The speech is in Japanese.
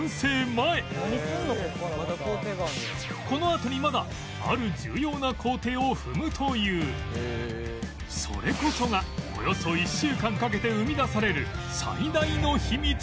このあとにまだあるそれこそがおよそ１週間かけて生み出される最大の秘密